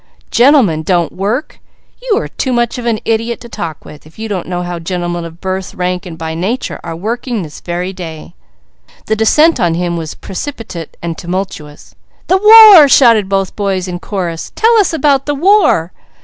Gentlemen don't work! You are too much of an idiot to talk with, if you don't know how gentlemen of birth, rank and by nature are working this very day." The descent on him was precipitate and tumultuous. "The war!" shouted both boys in chorus. "Tell us about the war!